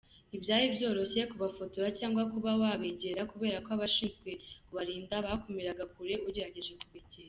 Ntibyari byoroshye kubafotora cyangwa kuba wabegera kubera ko abashinzwe kubarinda bakumiriraga kure ugerageje kubengera.